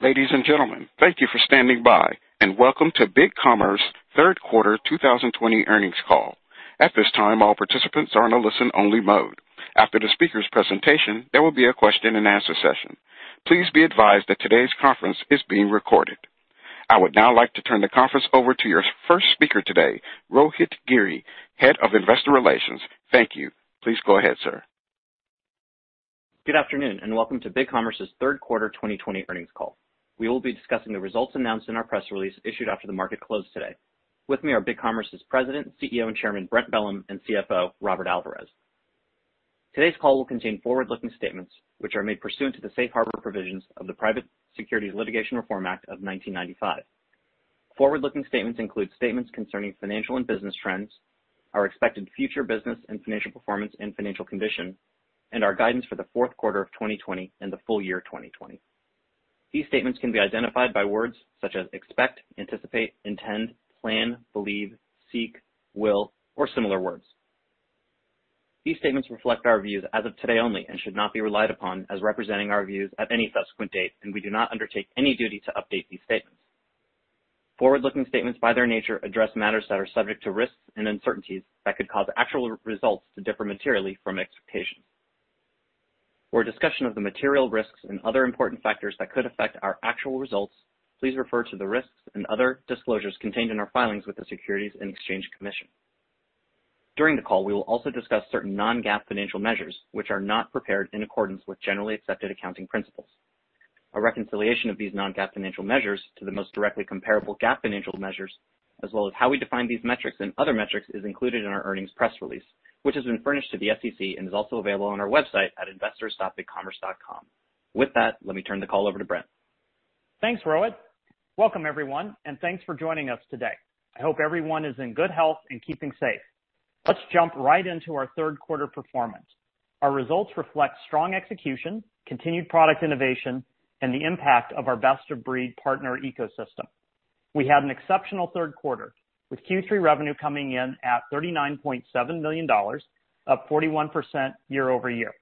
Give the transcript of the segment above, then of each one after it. Ladies and gentlemen, thank you for standing by. Welcome to BigCommerce third quarter 2020 earnings call. At this time, all participants are in a listen-only mode. After the speaker's presentation, there will be a question and answer session. Please be advised that today's conference is being recorded. I would now like to turn the conference over to your first speaker today, Rohit Giri, Head of Investor Relations. Thank you. Please go ahead, sir. Good afternoon, and welcome to BigCommerce's third quarter 2020 earnings call. We will be discussing the results announced in our press release issued after the market closed today. With me are BigCommerce's President, CEO, and Chairman, Brent Bellm, and CFO, Robert Alvarez. Today's call will contain forward-looking statements, which are made pursuant to the safe harbor provisions of the Private Securities Litigation Reform Act of 1995. Forward-looking statements include statements concerning financial and business trends, our expected future business and financial performance and financial condition, and our guidance for the fourth quarter of 2020 and the full year 2020. These statements can be identified by words such as expect, anticipate, intend, plan, believe, seek, will, or similar words. These statements reflect our views as of today only and should not be relied upon as representing our views at any subsequent date, and we do not undertake any duty to update these statements. Forward-looking statements, by their nature, address matters that are subject to risks and uncertainties that could cause actual results to differ materially from expectations. For a discussion of the material risks and other important factors that could affect our actual results, please refer to the risks and other disclosures contained in our filings with the Securities and Exchange Commission. During the call, we will also discuss certain non-GAAP financial measures, which are not prepared in accordance with generally accepted accounting principles. A reconciliation of these non-GAAP financial measures to the most directly comparable GAAP financial measures, as well as how we define these metrics and other metrics, is included in our earnings press release, which has been furnished to the SEC and is also available on our website at investors.bigcommerce.com. With that, let me turn the call over to Brent. Thanks, Rohit. Welcome, everyone, and thanks for joining us today. I hope everyone is in good health and keeping safe. Let's jump right into our third quarter performance. Our results reflect strong execution, continued product innovation, and the impact of our best-of-breed partner ecosystem. We had an exceptional third quarter, with Q3 revenue coming in at $39.7 million, up 41% year-over-year.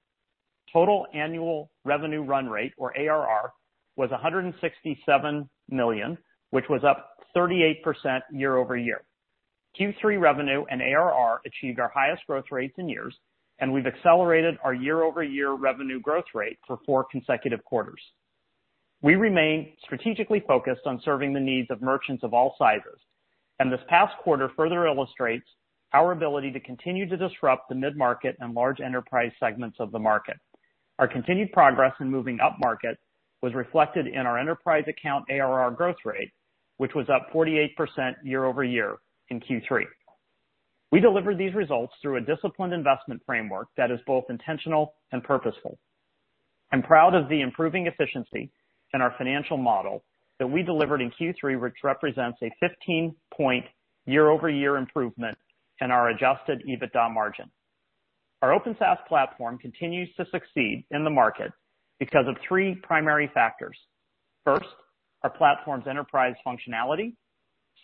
Total annual revenue run rate or ARR was $167 million, which was up 38% year-over-year. Q3 revenue and ARR achieved our highest growth rates in years, and we've accelerated our year-over-year revenue growth rate for four consecutive quarters. We remain strategically focused on serving the needs of merchants of all sizes, and this past quarter further illustrates our ability to continue to disrupt the mid-market and large enterprise segments of the market. Our continued progress in moving upmarket was reflected in our enterprise account ARR growth rate, which was up 48% year-over-year in Q3. We delivered these results through a disciplined investment framework that is both intentional and purposeful. I'm proud of the improving efficiency in our financial model that we delivered in Q3, which represents a 15-point year-over-year improvement in our adjusted EBITDA margin. Our open SaaS platform continues to succeed in the market because of three primary factors. First, our platform's enterprise functionality.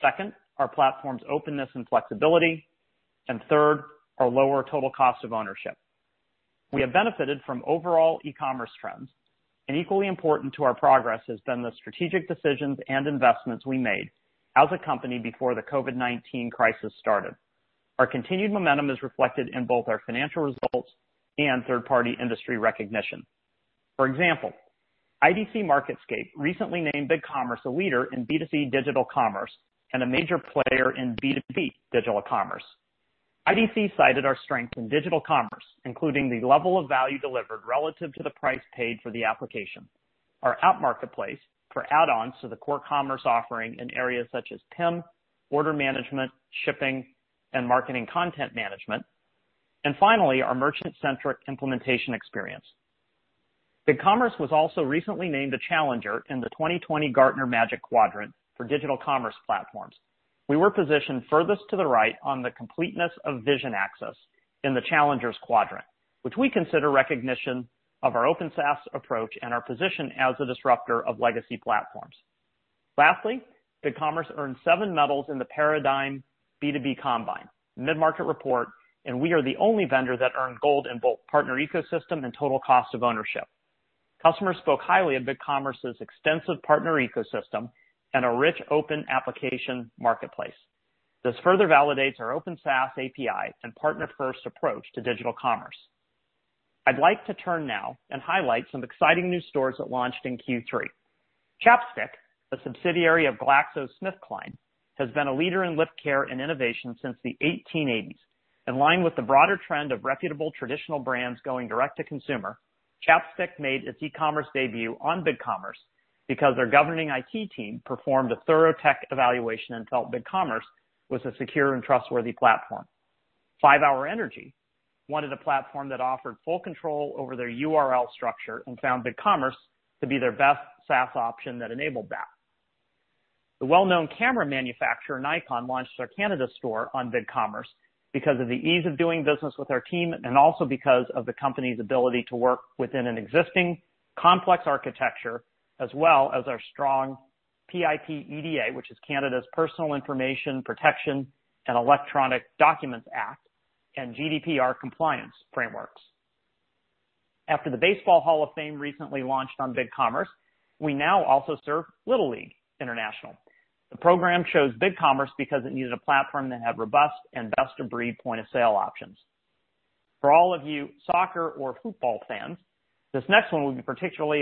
Second, our platform's openness and flexibility, and third, our lower total cost of ownership. We have benefited from overall e-commerce trends, and equally important to our progress has been the strategic decisions and investments we made as a company before the COVID-19 crisis started. Our continued momentum is reflected in both our financial results and third-party industry recognition. For example, IDC MarketScape recently named BigCommerce a leader in B2C digital commerce and a major player in B2B digital commerce. IDC cited our strength in digital commerce, including the level of value delivered relative to the price paid for the application, our app marketplace for add-ons to the core commerce offering in areas such as PIM, order management, shipping, and marketing content management, and finally, our merchant-centric implementation experience. BigCommerce was also recently named a challenger in the 2020 Gartner Magic Quadrant for digital commerce platforms. We were positioned furthest to the right on the completeness of vision access in the challengers quadrant, which we consider recognition of our open SaaS approach and our position as a disruptor of legacy platforms. BigCommerce earned seven medals in the Paradigm B2B Combine Mid-Market Report. We are the only vendor that earned gold in both partner ecosystem and total cost of ownership. Customers spoke highly of BigCommerce's extensive partner ecosystem and a rich open application marketplace. This further validates our open SaaS API and partner-first approach to digital commerce. I'd like to turn now and highlight some exciting new stores that launched in Q3. ChapStick, a subsidiary of GlaxoSmithKline, has been a leader in lip care and innovation since the 1880s. In line with the broader trend of reputable traditional brands going direct to consumer, ChapStick made its e-commerce debut on BigCommerce because their governing IT team performed a thorough tech evaluation and felt BigCommerce was a secure and trustworthy platform. 5-hour ENERGY wanted a platform that offered full control over their URL structure and found BigCommerce to be their best SaaS option that enabled that. The well-known camera manufacturer Nikon launched their Canada store on BigCommerce because of the ease of doing business with our team and also because of the company's ability to work within an existing complex architecture, as well as our strong PIPEDA, which is Canada's Personal Information Protection and Electronic Documents Act, and GDPR compliance frameworks. After the Baseball Hall of Fame recently launched on BigCommerce, we now also serve Little League International. The program chose BigCommerce because it needed a platform that had robust and best-of-breed point-of-sale options. For all of you soccer or football fans, this next one will be particularly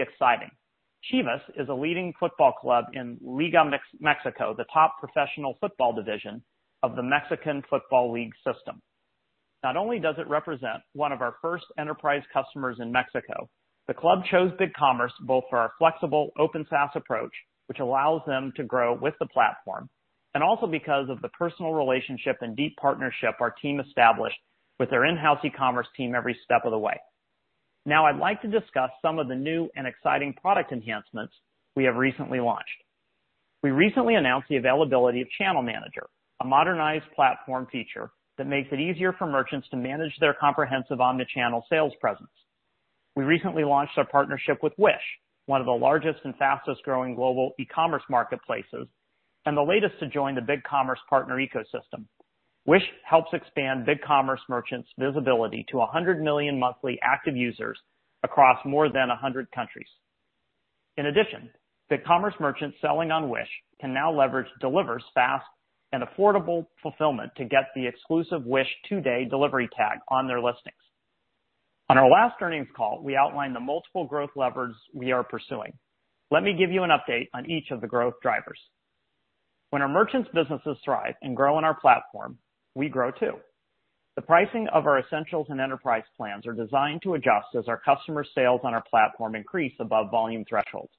exciting. Chivas is a leading football club in Liga Mexico, the top professional football division of the Mexican football league system. Not only does it represent one of our first enterprise customers in Mexico, the club chose BigCommerce both for our flexible open SaaS approach, which allows them to grow with the platform, and also because of the personal relationship and deep partnership our team established with their in-house e-commerce team every step of the way. Now I'd like to discuss some of the new and exciting product enhancements we have recently launched. We recently announced the availability of Channel Manager, a modernized platform feature that makes it easier for merchants to manage their comprehensive omni-channel sales presence. We recently launched our partnership with Wish, one of the largest and fastest-growing global e-commerce marketplaces, and the latest to join the BigCommerce partner ecosystem. Wish helps expand BigCommerce merchants' visibility to 100 million monthly active users across more than 100 countries. In addition, BigCommerce merchants selling on Wish can now leverage Deliverr's fast and affordable fulfillment to get the exclusive Wish two-day delivery tag on their listings. On our last earnings call, we outlined the multiple growth levers we are pursuing. Let me give you an update on each of the growth drivers. When our merchants' businesses thrive and grow on our platform, we grow too. The pricing of our Essentials and Enterprise plans are designed to adjust as our customers' sales on our platform increase above volume thresholds.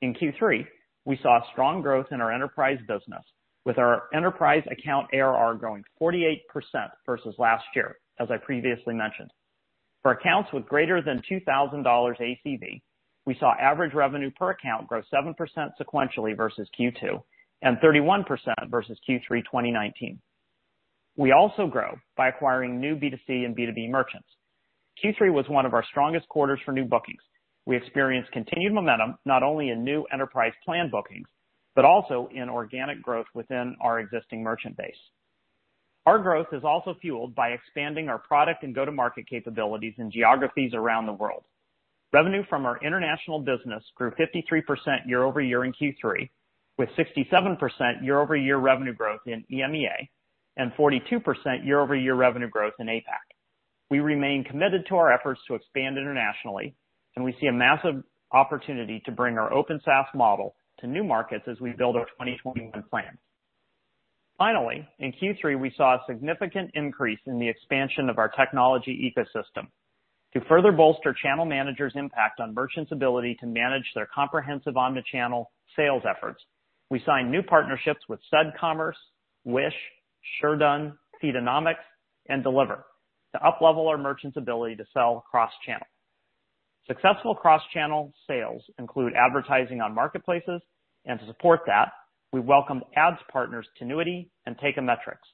In Q3, we saw strong growth in our enterprise business, with our enterprise account ARR growing 48% versus last year, as I previously mentioned. For accounts with greater than $2,000 ACV, we saw average revenue per account grow 7% sequentially versus Q2 and 31% versus Q3 2019. We also grow by acquiring new B2C and B2B merchants. Q3 was one of our strongest quarters for new bookings. We experienced continued momentum, not only in new Enterprise plan bookings, but also in organic growth within our existing merchant base. Our growth is also fueled by expanding our product and go-to-market capabilities in geographies around the world. Revenue from our international business grew 53% year-over-year in Q3, with 67% year-over-year revenue growth in EMEA and 42% year-over-year revenue growth in APAC. We remain committed to our efforts to expand internationally. We see a massive opportunity to bring our open SaaS model to new markets as we build our 2021 plans. Finally, in Q3, we saw a significant increase in the expansion of our technology ecosystem. To further bolster Channel Manager's impact on merchants' ability to manage their comprehensive omni-channel sales efforts, we signed new partnerships with SudCommerce, Wish, SureDone, Feedonomics, and Deliverr to up-level our merchants' ability to sell cross-channel. Successful cross-channel sales include advertising on marketplaces, and to support that, we welcomed ads partners Tinuiti and Teikametrics.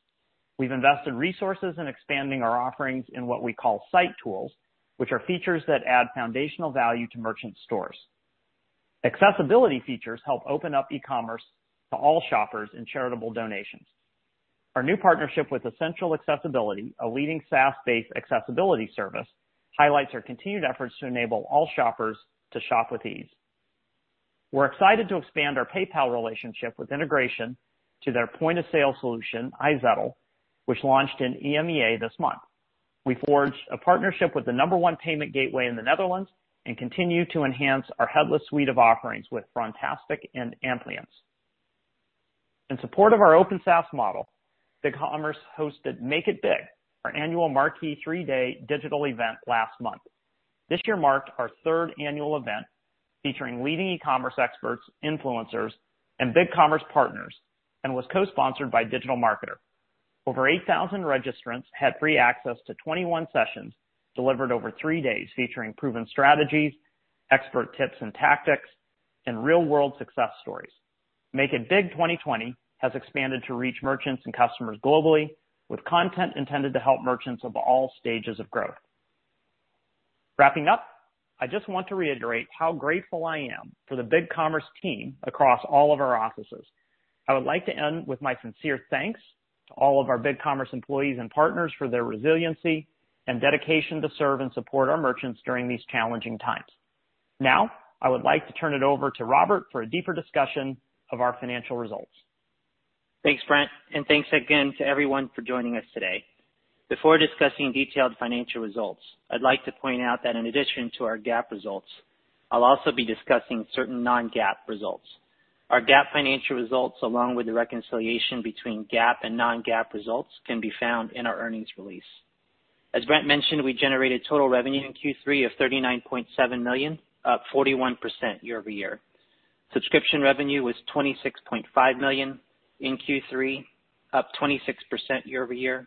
We've invested resources in expanding our offerings in what we call site tools, which are features that add foundational value to merchants' stores. Accessibility features help open up e-commerce to all shoppers in charitable donations. Our new partnership with eSSENTIAL Accessibility, a leading SaaS-based accessibility service, highlights our continued efforts to enable all shoppers to shop with ease. We're excited to expand our PayPal relationship with integration to their point-of-sale solution, iZettle, which launched in EMEA this month. We forged a partnership with the number one payment gateway in the Netherlands and continue to enhance our headless suite of offerings with Frontastic and Amplience. In support of our open SaaS model, BigCommerce hosted Make it Big, our annual marquee three-day digital event last month. This year marked our third annual event featuring leading e-commerce experts, influencers, and BigCommerce partners, and was co-sponsored by DigitalMarketer. Over 8,000 registrants had free access to 21 sessions delivered over three days, featuring proven strategies, expert tips and tactics, and real-world success stories. Make it Big 2020 has expanded to reach merchants and customers globally with content intended to help merchants of all stages of growth. Wrapping up, I just want to reiterate how grateful I am for the BigCommerce team across all of our offices. I would like to end with my sincere thanks to all of our BigCommerce employees and partners for their resiliency and dedication to serve and support our merchants during these challenging times. I would like to turn it over to Robert for a deeper discussion of our financial results. Thanks, Brent. Thanks again to everyone for joining us today. Before discussing detailed financial results, I'd like to point out that in addition to our GAAP results, I'll also be discussing certain non-GAAP results. Our GAAP financial results, along with the reconciliation between GAAP and non-GAAP results, can be found in our earnings release. As Brent mentioned, we generated total revenue in Q3 of $39.7 million, up 41% year-over-year. Subscription revenue was $26.5 million in Q3, up 26% year-over-year.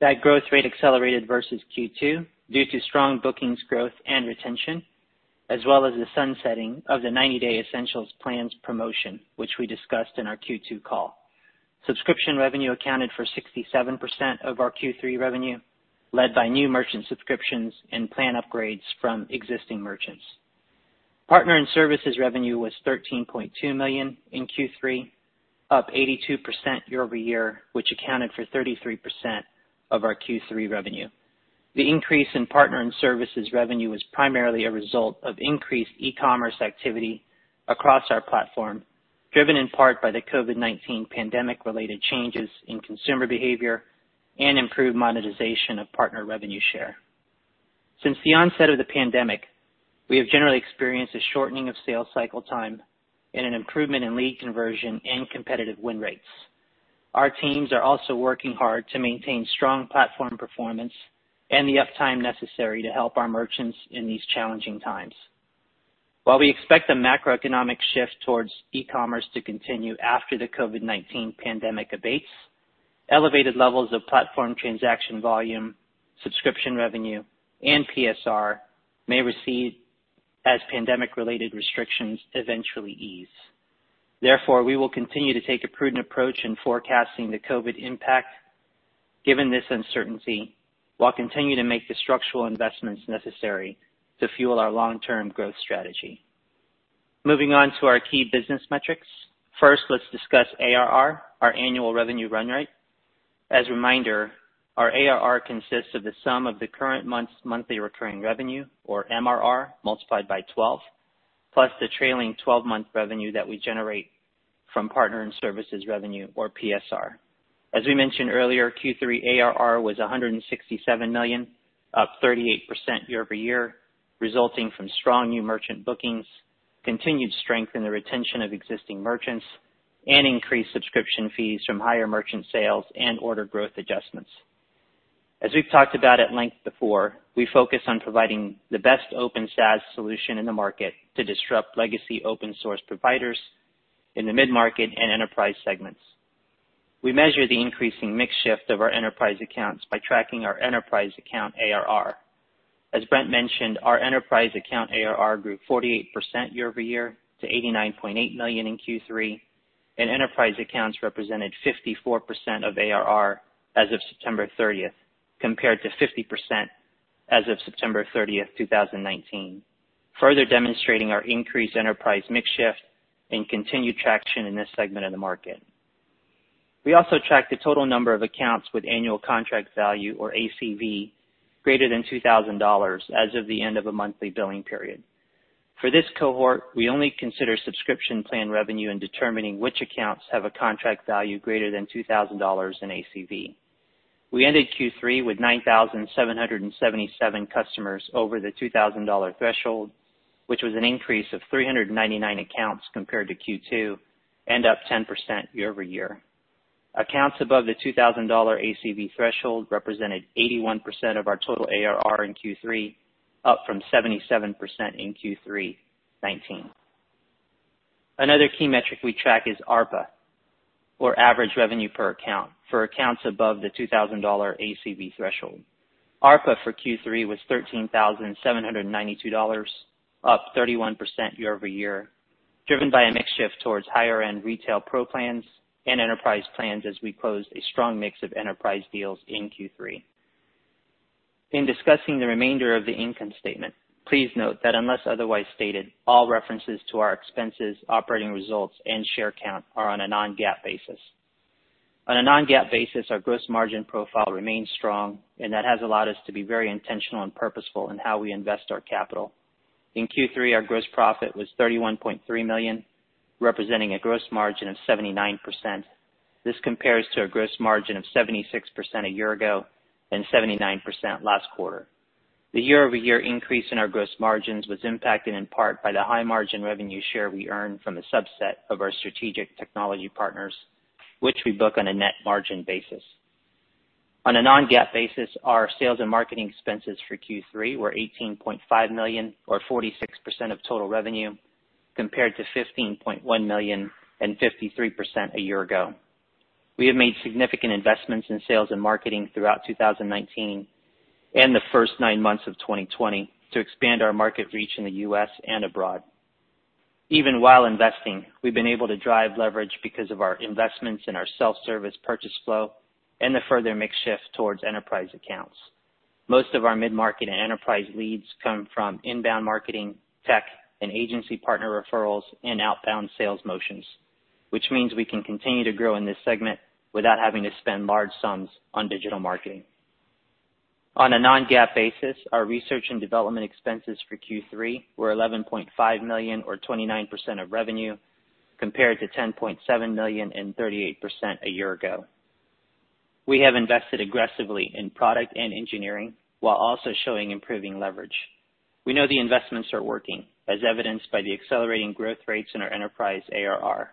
That growth rate accelerated versus Q2 due to strong bookings growth and retention, as well as the sunsetting of the 90-day Essentials plans promotion, which we discussed in our Q2 call. Subscription revenue accounted for 67% of our Q3 revenue, led by new merchant subscriptions and plan upgrades from existing merchants. Partner and services revenue was $13.2 million in Q3, up 82% year-over-year, which accounted for 33% of our Q3 revenue. The increase in partner and services revenue was primarily a result of increased e-commerce activity across our platform, driven in part by the COVID-19 pandemic-related changes in consumer behavior and improved monetization of partner revenue share. Since the onset of the pandemic, we have generally experienced a shortening of sales cycle time and an improvement in lead conversion and competitive win rates. Our teams are also working hard to maintain strong platform performance and the uptime necessary to help our merchants in these challenging times. While we expect the macroeconomic shift towards e-commerce to continue after the COVID-19 pandemic abates, elevated levels of platform transaction volume, subscription revenue, and PSR may recede as pandemic-related restrictions eventually ease. We will continue to take a prudent approach in forecasting the COVID impact given this uncertainty, while continuing to make the structural investments necessary to fuel our long-term growth strategy. Moving on to our key business metrics. First, let's discuss ARR, our annual revenue run rate. As a reminder, our ARR consists of the sum of the current month's monthly recurring revenue, or MRR, multiplied by 12, plus the trailing 12-month revenue that we generate from partner and services revenue or PSR. As we mentioned earlier, Q3 ARR was $167 million, up 38% year-over-year, resulting from strong new merchant bookings, continued strength in the retention of existing merchants, and increased subscription fees from higher merchant sales and order growth adjustments. As we've talked about at length before, we focus on providing the best open SaaS solution in the market to disrupt legacy open-source providers in the mid-market and enterprise segments. We measure the increasing mix shift of our enterprise accounts by tracking our enterprise account ARR. As Brent mentioned, our enterprise account ARR grew 48% year-over-year to $89.8 million in Q3, and enterprise accounts represented 54% of ARR as of September 30th, compared to 50% as of September 30th, 2019, further demonstrating our increased enterprise mix shift and continued traction in this segment of the market. We also track the total number of accounts with annual contract value, or ACV, greater than $2,000 as of the end of a monthly billing period. For this cohort, we only consider subscription plan revenue in determining which accounts have a contract value greater than $2,000 in ACV. We ended Q3 with 9,777 customers over the $2,000 threshold, which was an increase of 399 accounts compared to Q2 and up 10% year-over-year. Accounts above the $2,000 ACV threshold represented 81% of our total ARR in Q3, up from 77% in Q3 2019. Another key metric we track is ARPA, or average revenue per account, for accounts above the $2,000 ACV threshold. ARPA for Q3 was $13,792, up 31% year-over-year, driven by a mix shift towards higher-end retail Pro plans and enterprise plans as we closed a strong mix of enterprise deals in Q3. In discussing the remainder of the income statement, please note that unless otherwise stated, all references to our expenses, operating results, and share count are on a non-GAAP basis. On a non-GAAP basis, our gross margin profile remains strong, that has allowed us to be very intentional and purposeful in how we invest our capital. In Q3, our gross profit was $31.3 million, representing a gross margin of 79%. This compares to a gross margin of 76% a year ago and 79% last quarter. The year-over-year increase in our gross margins was impacted in part by the high margin revenue share we earned from a subset of our strategic technology partners, which we book on a net margin basis. On a non-GAAP basis, our sales and marketing expenses for Q3 were $18.5 million or 46% of total revenue, compared to $15.1 million and 53% a year ago. We have made significant investments in sales and marketing throughout 2019 and the first nine months of 2020 to expand our market reach in the U.S. and abroad. Even while investing, we've been able to drive leverage because of our investments in our self-service purchase flow and the further mix shift towards enterprise accounts. Most of our mid-market and enterprise leads come from inbound marketing, tech and agency partner referrals, and outbound sales motions, which means we can continue to grow in this segment without having to spend large sums on digital marketing. On a non-GAAP basis, our Research and Development expenses for Q3 were $11.5 million or 29% of revenue, compared to $10.7 million and 38% a year ago. We have invested aggressively in product and engineering while also showing improving leverage. We know the investments are working, as evidenced by the accelerating growth rates in our enterprise ARR.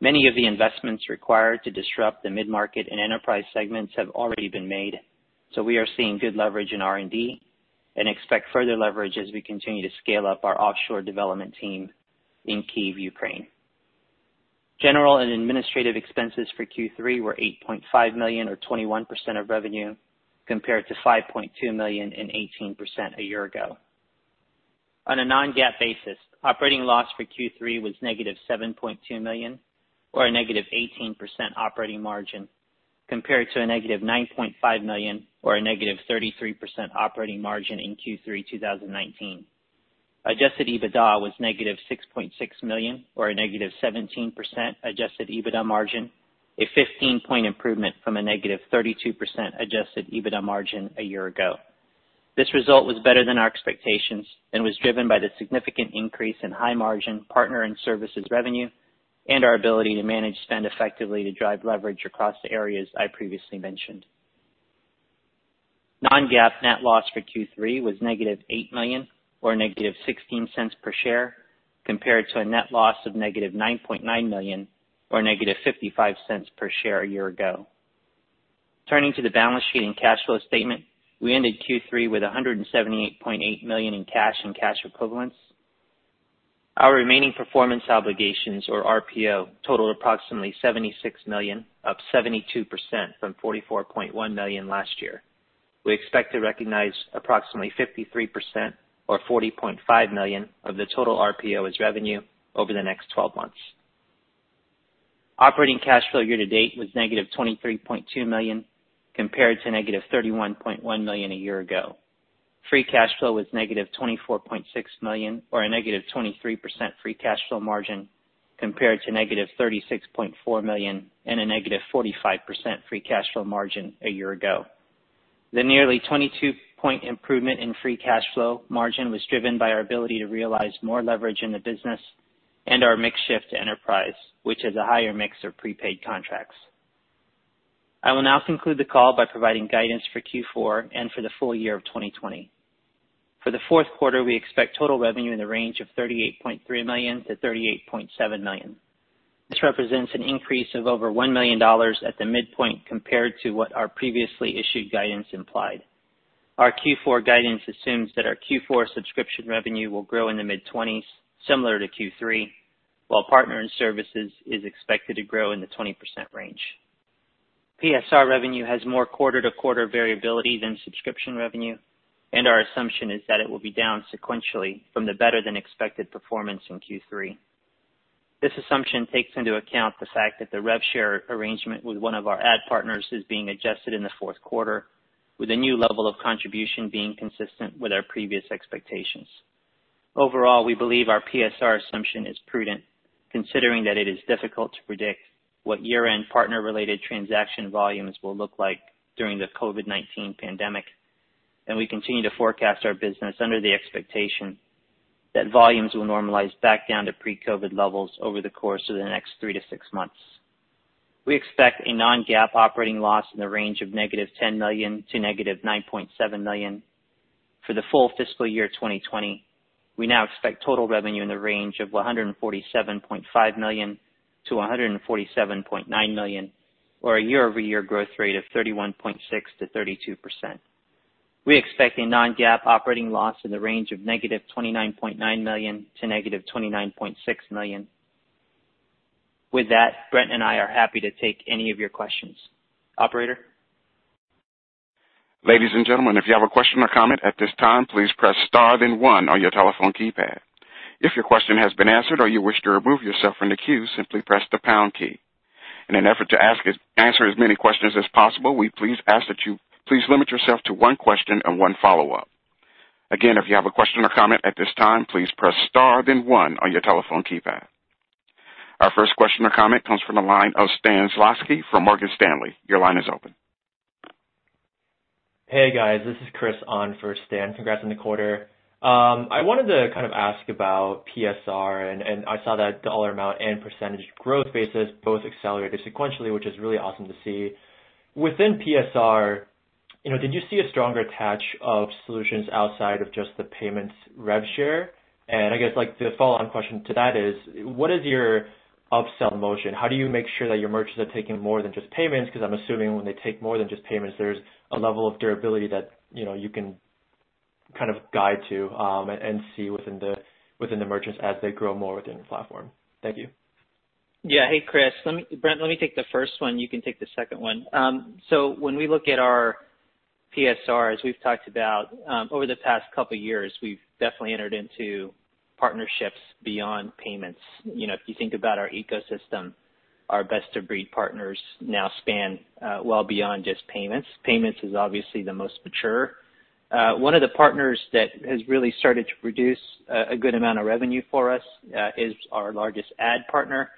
Many of the investments required to disrupt the mid-market and enterprise segments have already been made, we are seeing good leverage in R&D and expect further leverage as we continue to scale up our offshore development team in Kyiv, Ukraine. General and administrative expenses for Q3 were $8.5 million or 21% of revenue, compared to $5.2 million and 18% a year ago. On a non-GAAP basis, operating loss for Q3 was -$7.2 million, or a -18% operating margin, compared to a -$9.5 million, or a -33% operating margin in Q3 2019. Adjusted EBITDA was -$6.6 million, or a -17% adjusted EBITDA margin, a 15-point improvement from a -32% adjusted EBITDA margin a year ago. This result was better than our expectations and was driven by the significant increase in high-margin partner and services revenue and our ability to manage spend effectively to drive leverage across the areas I previously mentioned. Non-GAAP net loss for Q3 was -$8 million or -$0.16 per share, compared to a net loss of -$9.9 million or -$0.55 per share a year ago. Turning to the balance sheet and cash flow statement, we ended Q3 with $178.8 million in cash and cash equivalents. Our remaining performance obligations, or RPO, totaled approximately $76 million, up 72% from $44.1 million last year. We expect to recognize approximately 53%, or $40.5 million of the total RPO as revenue over the next 12 months. Operating cash flow year-to-date was -$23.2 million, compared to -$31.1 million a year ago. Free cash flow was-$24.6 million or a -23% free cash flow margin, compared to -$36.4 million and a -45% free cash flow margin a year ago. The nearly 22-point improvement in free cash flow margin was driven by our ability to realize more leverage in the business and our mix shift to enterprise, which has a higher mix of prepaid contracts. I will now conclude the call by providing guidance for Q4 and for the full year of 2020. For the fourth quarter, we expect total revenue in the range of $38.3 million-$38.7 million. This represents an increase of over $1 million at the midpoint compared to what our previously issued guidance implied. Our Q4 guidance assumes that our Q4 subscription revenue will grow in the mid-20s, similar to Q3, while partner and services is expected to grow in the 20% range. PSR revenue has more quarter-to-quarter variability than subscription revenue, and our assumption is that it will be down sequentially from the better-than-expected performance in Q3. This assumption takes into account the fact that the rev share arrangement with one of our ad partners is being adjusted in the fourth quarter with a new level of contribution being consistent with our previous expectations. Overall, we believe our PSR assumption is prudent, considering that it is difficult to predict what year-end partner-related transaction volumes will look like during the COVID-19 pandemic, and we continue to forecast our business under the expectation that volumes will normalize back down to pre-COVID levels over the course of the next three to six months. We expect a non-GAAP operating loss in the range of -$10 million to -$9.7 million. For the full fiscal year 2020, we now expect total revenue in the range of $147.5 million-$147.9 million, or a year-over-year growth rate of 31.6%-32%. We expect a non-GAAP operating loss in the range of -$29.9 million to -$29.6 million. With that, Brent and I are happy to take any of your questions. Operator? Ladies and gentlemen, if you have a question or comment at this time, please press star then one on your telephone keypad. If your question has been answered or you wish to remove yourself from the queue, simply press the pound key. In an effort to answer as many questions as possible, we please ask that you please limit yourself to one question and one follow-up. Again, if you have a question or comment at this time, please press star then one on your telephone keypad. Our first question or comment comes from the line of Stan Zlotsky from Morgan Stanley. Your line is open. Hey, guys. This is Chris on for Stan. Congrats on the quarter. I wanted to kind of ask about PSR, and I saw that dollar amount and percentage growth basis both accelerated sequentially, which is really awesome to see. Within PSR, did you see a stronger attach of solutions outside of just the payments rev share? I guess the follow-on question to that is, what is your upsell motion? How do you make sure that your merchants are taking more than just payments? I'm assuming when they take more than just payments, there's a level of durability that you can kind of guide to and see within the merchants as they grow more within the platform. Thank you. Hey, Chris. Brent, let me take the first one. You can take the second one. When we look at our PSR, as we've talked about over the past couple of years, we've definitely entered into partnerships beyond payments. If you think about our ecosystem, our best-of-breed partners now span well beyond just payments. Payments is obviously the most mature. One of the partners that has really started to produce a good amount of revenue for us is our largest ad partner.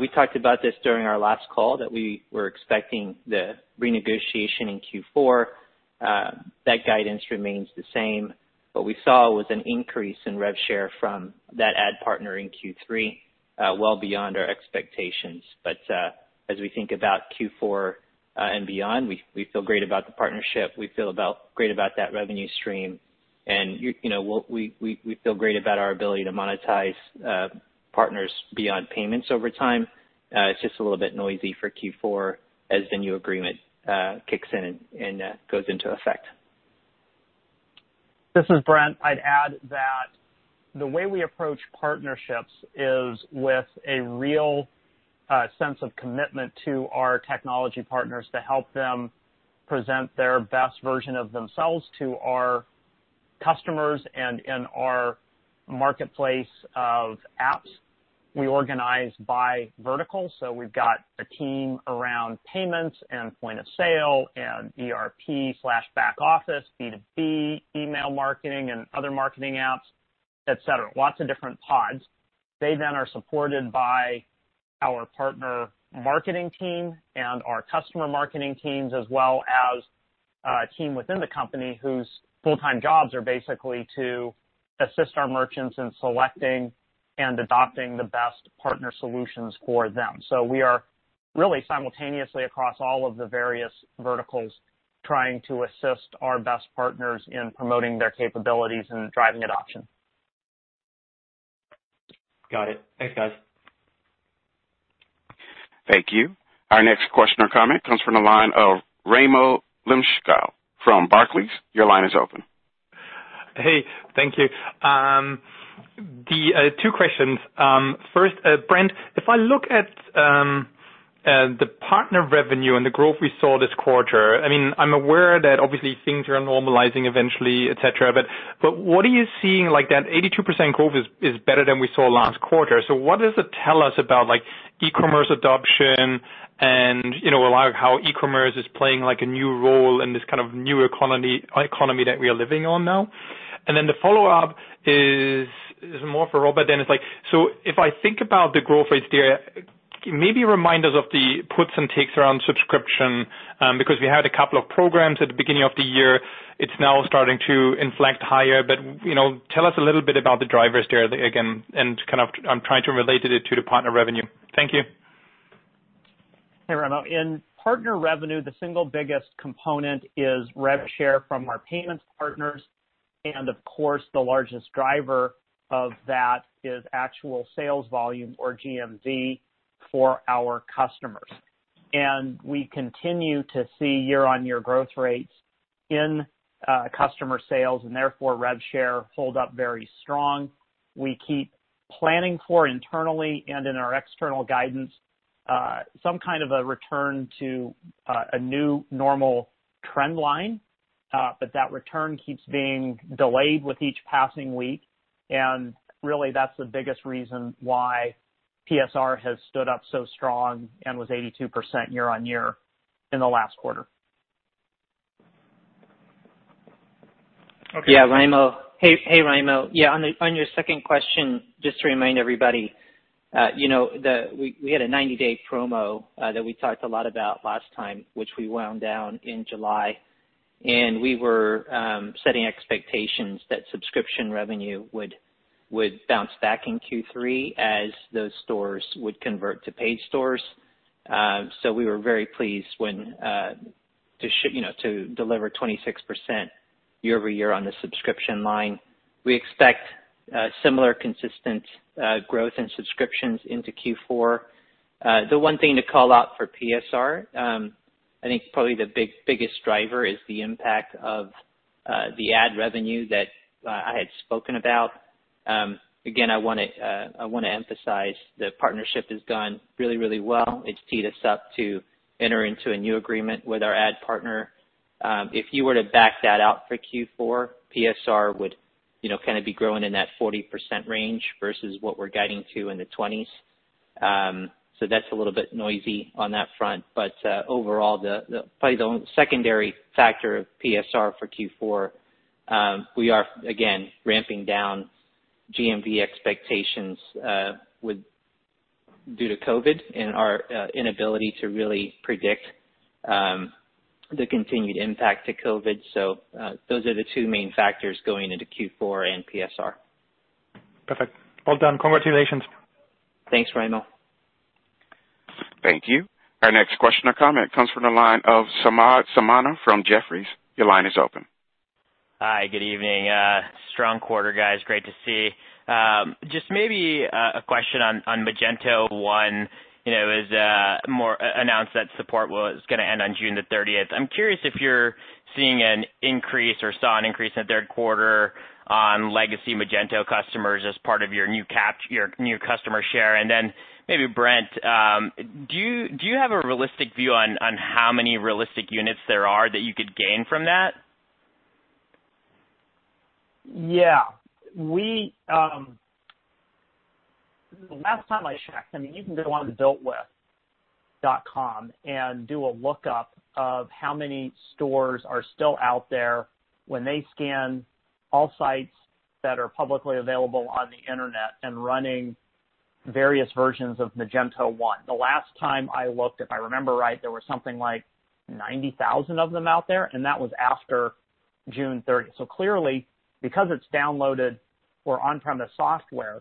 We talked about this during our last call, that we were expecting the renegotiation in Q4. That guidance remains the same. What we saw was an increase in rev share from that ad partner in Q3, well beyond our expectations. As we think about Q4 and beyond, we feel great about the partnership. We feel great about that revenue stream, and we feel great about our ability to monetize partners beyond payments over time. It's just a little bit noisy for Q4 as the new agreement kicks in and goes into effect. This is Brent. I'd add that the way we approach partnerships is with a real sense of commitment to our technology partners to help them present their best version of themselves to our customers and in our marketplace of apps. We organize by vertical, so we've got a team around payments and point of sale and ERP/back office, B2B, email marketing, and other marketing apps, et cetera. Lots of different pods. They then are supported by our partner marketing team and our customer marketing teams, as well as a team within the company whose full-time jobs are basically to assist our merchants in selecting and adopting the best partner solutions for them. We are really simultaneously, across all of the various verticals, trying to assist our best partners in promoting their capabilities and driving adoption. Got it. Thanks, guys. Thank you. Our next question or comment comes from the line of Raimo Lenschow from Barclays. Hey, thank you. Two questions. First, Brent, if I look at the partner revenue and the growth we saw this quarter, I'm aware that obviously things are normalizing eventually, et cetera. What are you seeing, like that 82% growth is better than we saw last quarter. What does it tell us about e-commerce adoption and a lot of how e-commerce is playing a new role in this kind of new economy that we are living on now? The follow-up is more for Robert. If I think about the growth rates there, maybe remind us of the puts and takes around subscription, because we had a couple of programs at the beginning of the year. It's now starting to inflect higher. Tell us a little bit about the drivers there again. I'm trying to relate it to the partner revenue. Thank you. Hey, Raimo. In partner revenue, the single biggest component is rev share from our payments partners, and of course, the largest driver of that is actual sales volume or GMV for our customers. We continue to see year-over-year growth rates in customer sales, and therefore, rev share hold up very strong. We keep planning for internally and in our external guidance, some kind of a return to a new normal trend line. That return keeps being delayed with each passing week, Really, that's the biggest reason why PSR has stood up so strong and was 82% year-over-year in the last quarter. Okay. Yeah, Raimo. Hey, Raimo. On your second question, just to remind everybody, we had a 90-day promo that we talked a lot about last time, which we wound down in July, and we were setting expectations that subscription revenue would bounce back in Q3 as those stores would convert to paid stores. We were very pleased to deliver 26% year-over-year on the subscription line. We expect similar consistent growth in subscriptions into Q4. The one thing to call out for PSR, I think probably the biggest driver is the impact of the ad revenue that I had spoken about. Again, I want to emphasize the partnership has gone really, really well. It's teed us up to enter into a new agreement with our ad partner. If you were to back that out for Q4, PSR would be growing in that 40% range versus what we're guiding to in the 20s. That's a little bit noisy on that front. Overall, probably the only secondary factor of PSR for Q4, we are again ramping down GMV expectations due to COVID and our inability to really predict the continued impact of COVID. Those are the two main factors going into Q4 and PSR. Perfect. Well done. Congratulations. Thanks, Raimo. Thank you. Our next question or comment comes from the line of Samad Samana from Jefferies. Your line is open. Hi, good evening. Strong quarter, guys. Great to see. Just maybe a question on Magento 1. It was announced that support was going to end on June the 30th. I'm curious if you're seeing an increase or saw an increase in the third quarter on legacy Magento customers as part of your new customer share. Maybe Brent, do you have a realistic view on how many realistic units there are that you could gain from that? Yeah. The last time I checked, you can go on BuiltWith.com and do a lookup of how many stores are still out there when they scan all sites that are publicly available on the internet and running various versions of Magento 1. The last time I looked, if I remember right, there were something like 90,000 of them out there, and that was after June 30th. Clearly, because it's downloaded for on-premise software,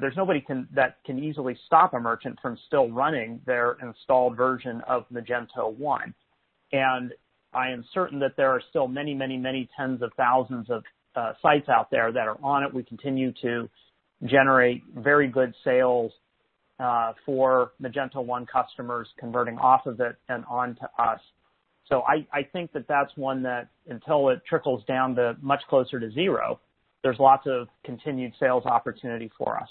there's nobody that can easily stop a merchant from still running their installed version of Magento 1. I am certain that there are still many tens of thousands of sites out there that are on it. We continue to generate very good sales for Magento 1 customers converting off of it and onto us. I think that that's one that until it trickles down to much closer to zero, there's lots of continued sales opportunity for us.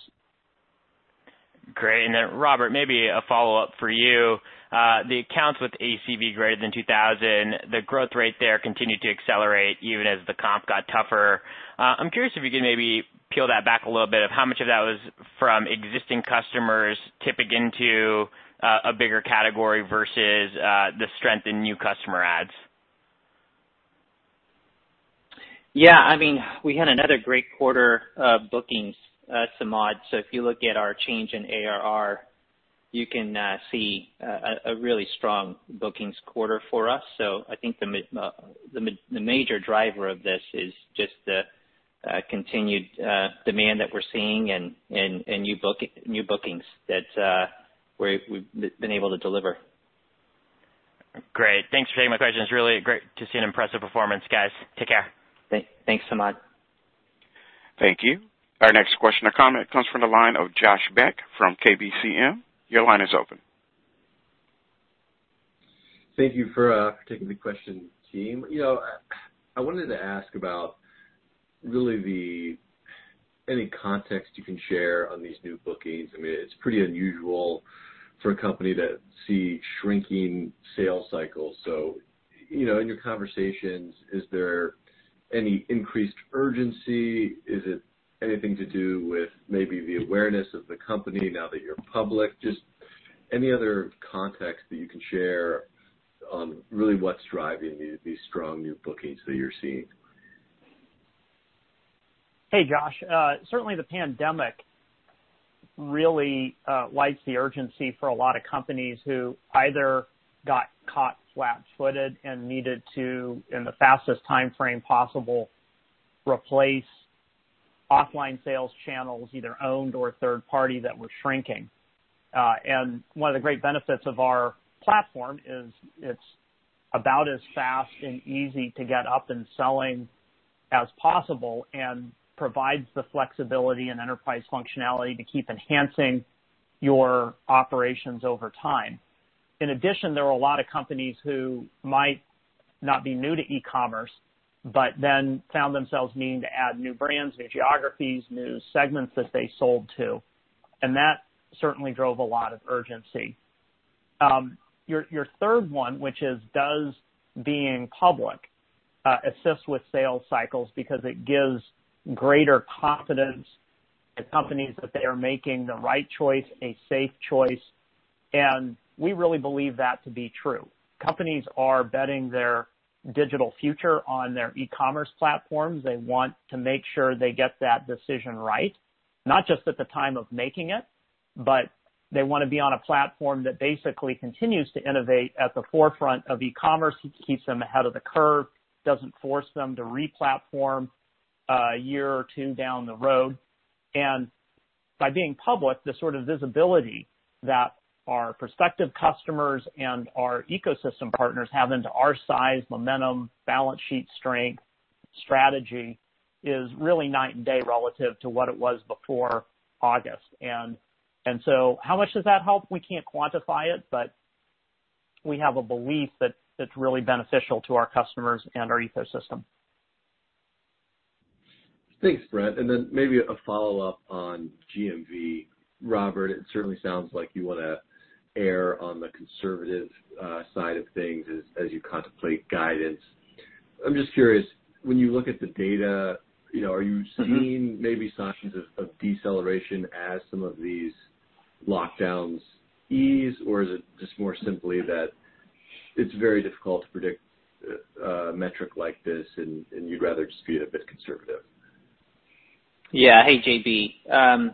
Great. Robert, maybe a follow-up for you. The accounts with ACV greater than $2,000, the growth rate there continued to accelerate even as the comp got tougher. I'm curious if you could maybe peel that back a little of how much of that was from existing customers tipping into a bigger category versus the strength in new customer adds? Yeah. We had another great quarter of bookings, Samad. If you look at our change in ARR, you can see a really strong bookings quarter for us. I think the major driver of this is just the continued demand that we're seeing and new bookings that we've been able to deliver. Great. Thanks for taking my questions. It is really great to see an impressive performance, guys. Take care. Thanks, Samad. Thank you. Our next question or comment comes from the line of Josh Beck from KBCM. Your line is open. Thank you for taking the question, team. I wanted to ask about really any context you can share on these new bookings. It's pretty unusual for a company to see shrinking sales cycles. In your conversations, is there any increased urgency? Is it anything to do with maybe the awareness of the company now that you're public? Just any other context that you can share on really what's driving these strong new bookings that you're seeing. Hey, Josh. Certainly, the pandemic really lights the urgency for a lot of companies who either got caught flat-footed and needed to, in the fastest timeframe possible, replace offline sales channels, either owned or third party, that were shrinking. One of the great benefits of our platform is it's about as fast and easy to get up and selling as possible and provides the flexibility and enterprise functionality to keep enhancing your operations over time. In addition, there are a lot of companies who might not be new to e-commerce, but then found themselves needing to add new brands, new geographies, new segments that they sold to. That certainly drove a lot of urgency. Your third one, which is does being public assist with sales cycles because it gives greater confidence to companies that they are making the right choice, a safe choice, and we really believe that to be true. Companies are betting their digital future on their e-commerce platforms. They want to make sure they get that decision right, not just at the time of making it, but they want to be on a platform that basically continues to innovate at the forefront of e-commerce, keeps them ahead of the curve, doesn't force them to re-platform a year or two down the road. By being public, the sort of visibility that our prospective customers and our ecosystem partners have into our size, momentum, balance sheet strength, strategy, is really night and day relative to what it was before August. How much does that help? We can't quantify it, but we have a belief that it's really beneficial to our customers and our ecosystem. Thanks, Brent. Maybe a follow-up on GMV. Robert, it certainly sounds like you want to err on the conservative side of things as you contemplate guidance. I'm just curious, when you look at the data, are you seeing maybe signs of deceleration as some of these lockdown's ease, or is it just more simply that it's very difficult to predict a metric like this, and you'd rather just be a bit conservative? Yeah. Hey, JB.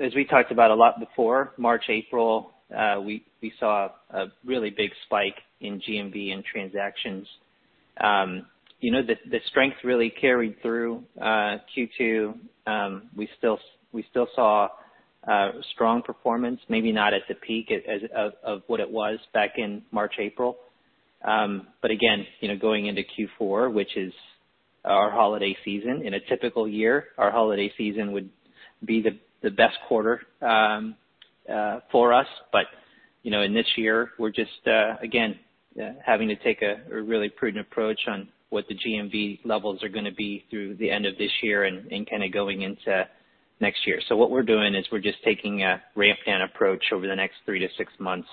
As we talked about a lot before March, April, we saw a really big spike in GMV and transactions. The strength really carried through Q2. We still saw strong performance, maybe not at the peak of what it was back in March, April. Again, going into Q4, which is our holiday season, in a typical year, our holiday season would be the best quarter for us. In this year, we're just, again, having to take a really prudent approach on what the GMV levels are going to be through the end of this year and going into next year. What we're doing is we're just taking a ramp-down approach over the next three to six months,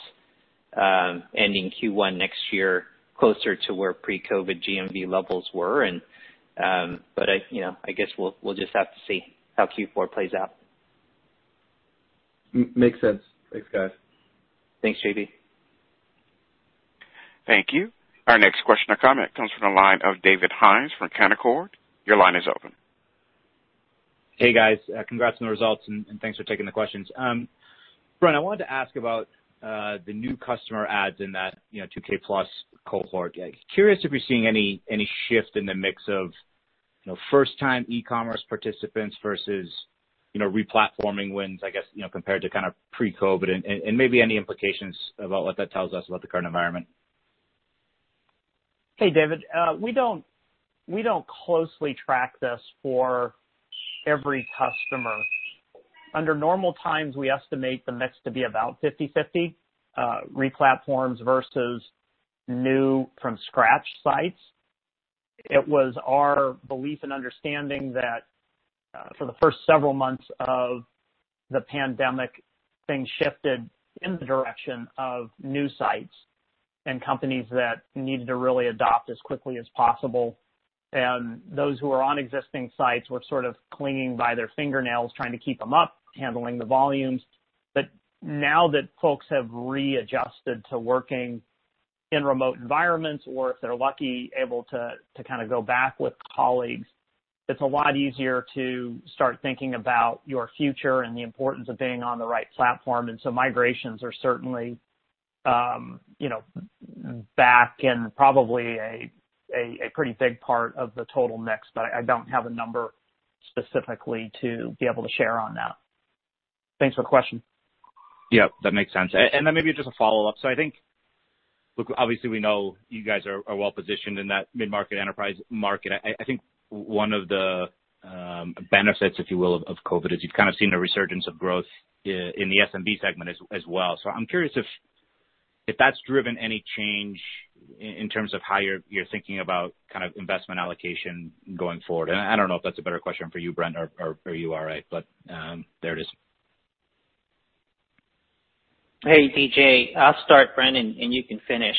ending Q1 next year closer to where pre-COVID GMV levels were. I guess we'll just have to see how Q4 plays out. Makes sense. Thanks, guys. Thanks, JB. Thank you. Our next question or comment comes from the line of David Hynes from Canaccord. Hey, guys. Congrats on the results, thanks for taking the questions. Brent, I wanted to ask about the new customer adds in that 2K plus cohort. Curious if you're seeing any shift in the mix of first-time e-commerce participants versus re-platforming wins, I guess, compared to pre-COVID, maybe any implications about what that tells us about the current environment? Hey, David. We don't closely track this for every customer. Under normal times, we estimate the mix to be about 50/50, re-platforms versus new from-scratch sites. It was our belief and understanding that for the first several months of the pandemic, things shifted in the direction of new sites and companies that needed to really adopt as quickly as possible. Those who were on existing sites were sort of clinging by their fingernails, trying to keep them up, handling the volumes. Now that folks have readjusted to working in remote environments or, if they're lucky, able to go back with colleagues, it's a lot easier to start thinking about your future and the importance of being on the right platform. Migrations are certainly back and probably a pretty big part of the total mix, but I don't have a number specifically to be able to share on that. Thanks for the question. Yeah, that makes sense. Maybe just a follow-up. I think, look, obviously we know you guys are well-positioned in that mid-market enterprise market. I think one of the benefits, if you will, of COVID is you've kind of seen a resurgence of growth in the SMB segment as well. I'm curious if that's driven any change in terms of how you're thinking about investment allocation going forward. I don't know if that's a better question for you, Brent, or you, RA, but there it is. Hey, DJ, I'll start, Brent, and you can finish.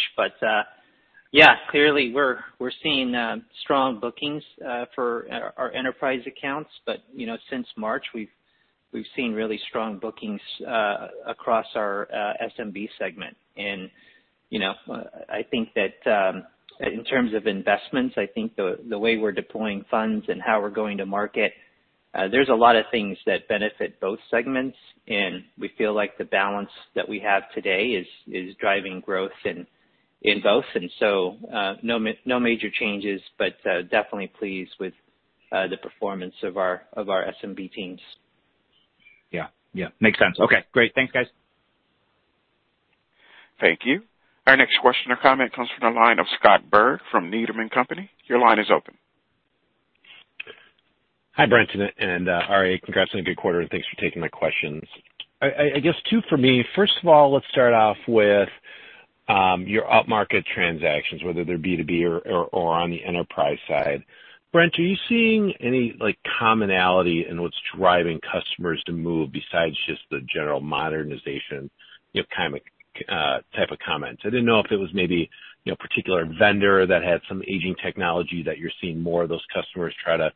Yeah, clearly we're seeing strong bookings for our enterprise accounts. Since March, we've seen really strong bookings across our SMB segment. I think that in terms of investments, I think the way we're deploying funds and how we're going to market, there's a lot of things that benefit both segments, and we feel like the balance that we have today is driving growth in both. No major changes but definitely pleased with the performance of our SMB teams. Yeah. Makes sense. Okay, great. Thanks, guys. Thank you. Our next question or comment comes from the line of Scott Berg from Needham & Company. Your line is open. Hi, Brent and RA. Congrats on a good quarter, and thanks for taking my questions. I guess two for me. First of all, let's start off with your upmarket transactions, whether they're B2B or on the enterprise side. Brent, are you seeing any commonality in what's driving customers to move besides just the general modernization type of comments? I didn't know if it was maybe a particular vendor that had some aging technology that you're seeing more of those customers try to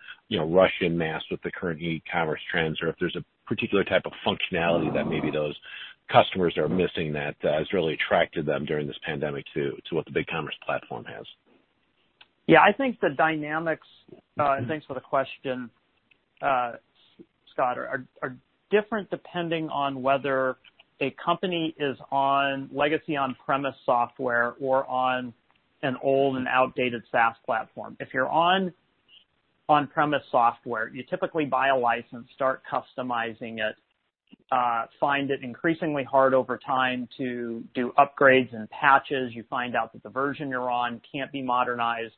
rush en masse with the current e-commerce trends, or if there's a particular type of functionality that maybe those customers are missing that has really attracted them during this pandemic to what the BigCommerce platform has. Yeah, I think the dynamics, thanks for the question, Scott, are different depending on whether a company is on legacy on-premise software or on an old and outdated SaaS platform. If you're on on-premise software, you typically buy a license, start customizing it, find it increasingly hard over time to do upgrades and patches. You find out that the version you're on can't be modernized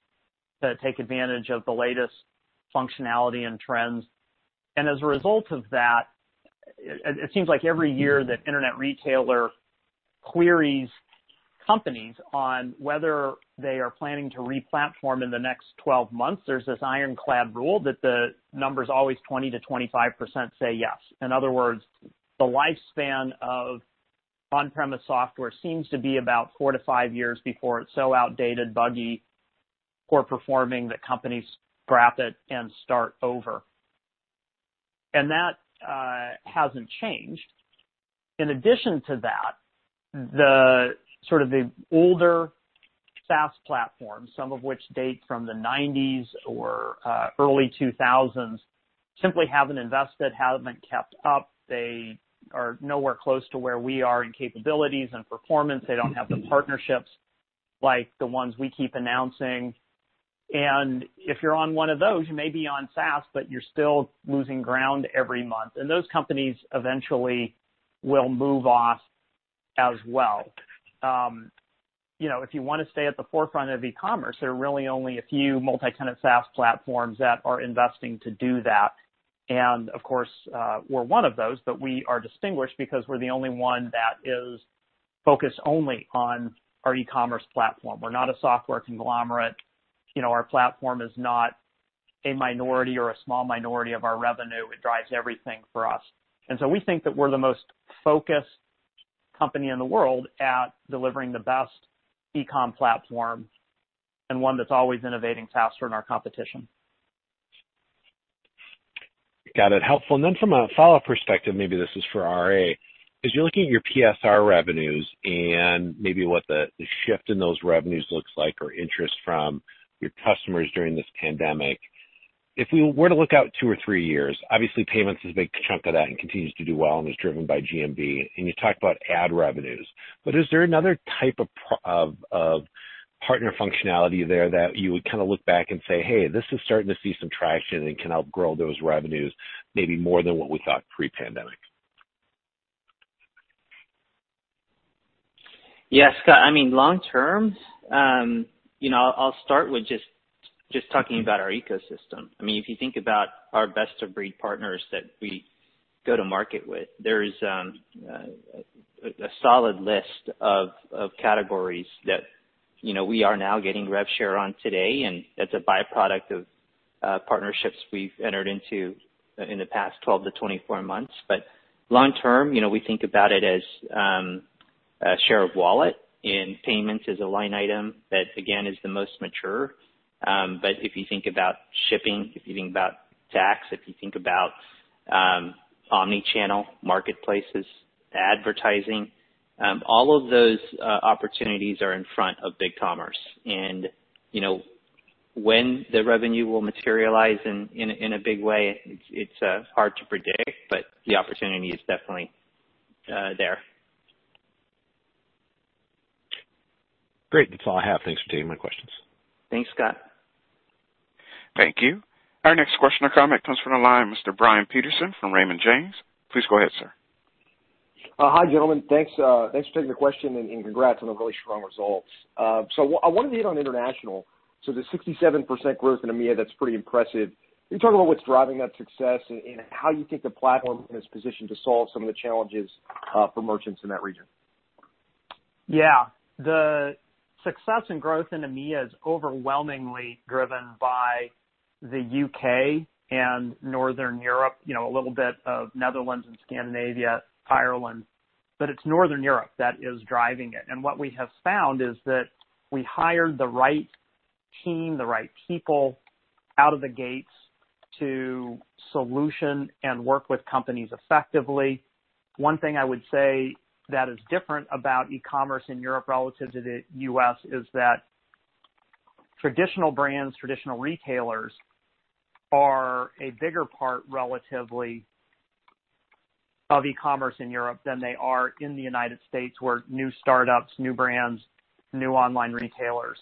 to take advantage of the latest functionality and trends. As a result of that, it seems like every year that Internet Retailer queries companies on whether they are planning to re-platform in the next 12 months, there's this ironclad rule that the number's always 20%-25% say yes. In other words, the lifespan of on-premise software seems to be about four to five years before it's so outdated, buggy, poor performing, that companies scrap it and start over. That hasn't changed. In addition to that, the older SaaS platforms, some of which date from the 1990s or early 2000s, simply haven't invested, haven't been kept up. They are nowhere close to where we are in capabilities and performance. They don't have the partnerships like the ones we keep announcing. If you're on one of those, you may be on SaaS, but you're still losing ground every month. Those companies eventually will move off as well. If you want to stay at the forefront of e-commerce, there are really only a few multi-tenant SaaS platforms that are investing to do that. Of course, we're one of those, but we are distinguished because we're the only one that is focused only on our e-commerce platform. We're not a software conglomerate. Our platform is not a minority or a small minority of our revenue. It drives everything for us. We think that we're the most focused company in the world at delivering the best e-com platform and one that's always innovating faster than our competition. Got it. Helpful. From a follow-up perspective, maybe this is for RA, as you're looking at your PSR revenues and maybe what the shift in those revenues looks like or interest from your customers during this pandemic, if we were to look out two or three years, obviously payments is a big chunk of that and continues to do well and is driven by GMV, and you talked about ad revenues, but is there another type of partner functionality there that you would look back and say, "Hey, this is starting to see some traction and can help grow those revenues maybe more than what we thought pre-pandemic. Yeah, Scott, long term, I'll start with just talking about our ecosystem. If you think about our best-of-breed partners that we go to market with, there is a solid list of categories that we are now getting rev share on today, and that's a byproduct of partnerships we've entered into in the past 12-24 months. Long term, we think about it as share of wallet, and payments is a line item that, again, is the most mature. If you think about shipping, if you think about tax, if you think about omni-channel marketplaces, advertising, all of those opportunities are in front of BigCommerce. When the revenue will materialize in a big way, it's hard to predict, but the opportunity is definitely there. Great. That's all I have. Thanks for taking my questions. Thanks, Scott. Thank you. Our next question or comment comes from the line of Mr. Brian Peterson from Raymond James. Please go ahead, sir. Hi, gentlemen. Thanks for taking the question, and congrats on the really strong results. I wanted to hit on international. The 67% growth in EMEA, that's pretty impressive. Can you talk about what's driving that success and how you think the platform is positioned to solve some of the challenges for merchants in that region? Yeah. The success and growth in EMEA is overwhelmingly driven by the U.K. and Northern Europe, a little bit of Netherlands and Scandinavia, Ireland. It's Northern Europe that is driving it. What we have found is that we hired the right team, the right people out of the gates to solution and work with companies effectively. One thing I would say that is different about e-commerce in Europe relative to the U.S. is that traditional brands, traditional retailers, are a bigger part, relatively, of e-commerce in Europe than they are in the United States, where new startups, new brands, new online retailers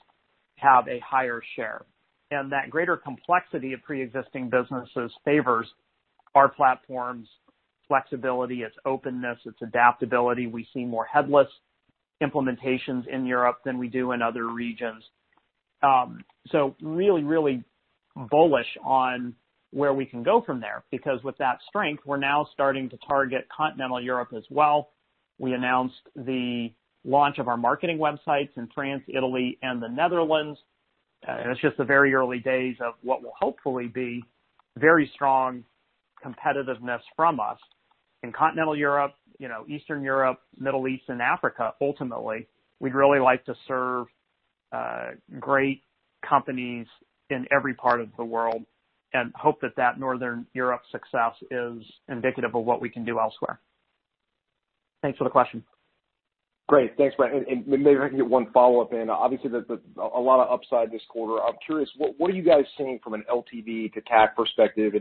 have a higher share. That greater complexity of preexisting businesses favors our platform's flexibility, its openness, its adaptability. We see more headless implementations in Europe than we do in other regions. Really, really bullish on where we can go from there, because with that strength, we're now starting to target continental Europe as well. We announced the launch of our marketing websites in France, Italy, and the Netherlands. It's just the very early days of what will hopefully be very strong competitiveness from us in continental Europe, Eastern Europe, Middle East, and Africa, ultimately. We'd really like to serve great companies in every part of the world and hope that that Northern Europe success is indicative of what we can do elsewhere. Thanks for the question. Great. Thanks, Brent. Maybe I can get one follow-up in. Obviously, there's a lot of upside this quarter. I'm curious, what are you guys seeing from an LTV to CAC perspective,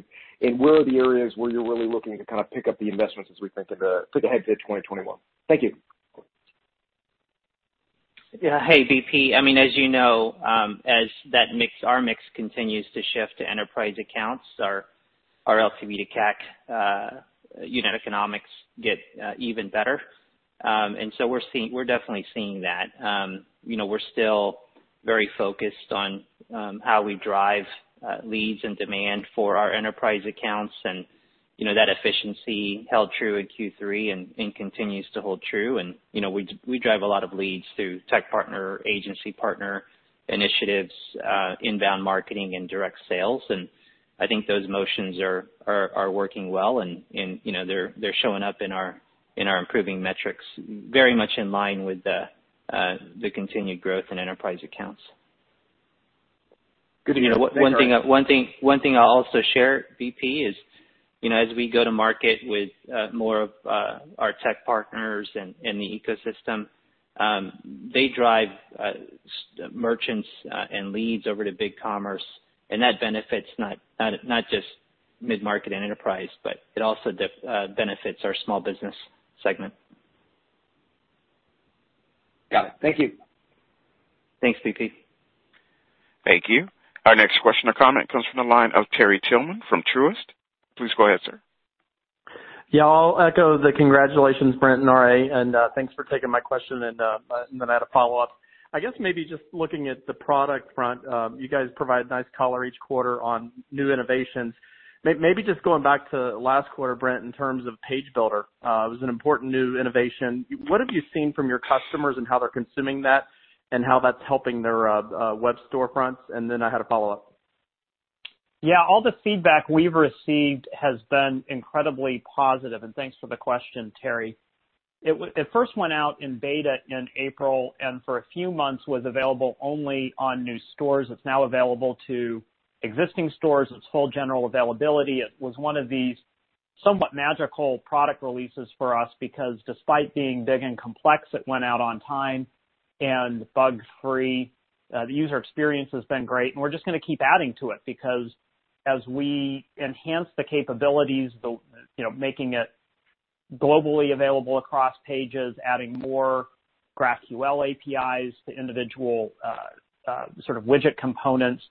and where are the areas where you're really looking to kind of pick up the investments as we think of the ahead to 2021? Thank you. Yeah. Hey, BP. As you know, as our mix continues to shift to enterprise accounts, our LTV to CAC unit economics get even better. We're definitely seeing that. We're still very focused on how we drive leads and demand for our enterprise accounts, and that efficiency held true in Q3 and continues to hold true. We drive a lot of leads through tech partner, agency partner initiatives, inbound marketing, and direct sales. I think those motions are working well, and they're showing up in our improving metrics very much in line with the continued growth in enterprise accounts. Good to know. Thanks, guys. One thing I'll also share, BP, is as we go to market with more of our tech partners and the ecosystem, they drive merchants and leads over to BigCommerce, and that benefits not just mid-market and enterprise, but it also benefits our small business segment. Got it. Thank you. Thanks, BP. Thank you. Our next question or comment comes from the line of Terry Tillman from Truist. Please go ahead, sir. Yeah, I'll echo the congratulations, Brent and RA, and thanks for taking my question. I had a follow-up. I guess maybe just looking at the product front, you guys provide nice color each quarter on new innovations. Maybe just going back to last quarter, Brent, in terms of Page Builder. It was an important new innovation. What have you seen from your customers and how they're consuming that, and how that's helping their web storefronts? I had a follow-up. Yeah, all the feedback we've received has been incredibly positive, and thanks for the question, Terry. It first went out in beta in April, and for a few months was available only on new stores. It is now available to existing stores. It is full general availability. It was one of these somewhat magical product releases for us because despite being big and complex, it went out on time and bug-free. The user experience has been great, and we are just going to keep adding to it because as we enhance the capabilities, making it globally available across pages, adding more GraphQL APIs to individual sort of widget components,